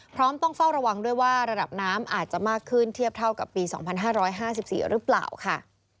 ต้องเฝ้าระวังด้วยว่าระดับน้ำอาจจะมากขึ้นเทียบเท่ากับปี๒๕๕๔หรือเปล่าค่ะ